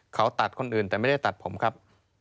เขาตัดคนอื่นแต่ไม่ได้ตัดผมครับ